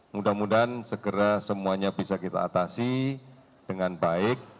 mudah mudahan segera semuanya bisa kita atasi dengan baik